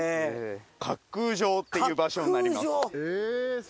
滑空場っていう場所になります。